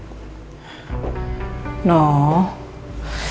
minta mereka pulang aja mereka harus istirahat